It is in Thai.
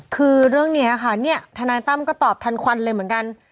คือเรื่องนี้ค่ะเนี่ยทนายตั้มก็ตอบทันควันเลยเหมือนกัน